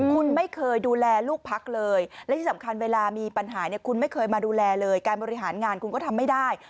คุณไม่เคยดูแลลูกพักเลยและที่สำคัญเวลามีปัญหาเนี่ยคุณไม่เคยมาดูแลเลยการบริหารงานคุณก็ทำไม่ได้